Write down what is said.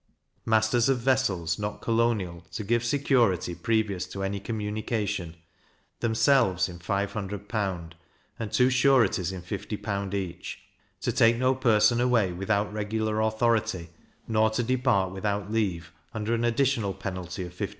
Masters of vessels, not colonial, to give security previous to any communication, themselves in 500L. and two sureties in 50L. each, to take no person away without regular authority, nor to depart without leave, under an additional penalty of 50L.